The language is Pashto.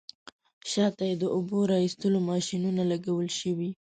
شاته یې د اوبو را ایستلو ماشینونه لګول شوي.